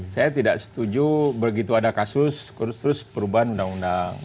saya tidak setuju begitu ada kasus terus perubahan undang undang